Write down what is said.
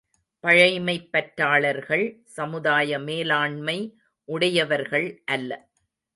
பழைமைப் பற்றாளர்கள் சமுதாய மேலாண்மை உடையவர்கள் அல்ல.